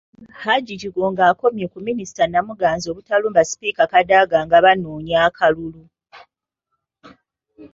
Hajji Kigongo akomye ku Minisita Namuganza obutalumba Sipiika Kadaga nga banoonya akalulu.